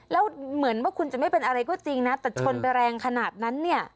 แล้วเหมือนว่าคุณจะไม่เป็นอะไรก็จริงนะแต่ชนไปแรงขนาดนั้นเนี่ย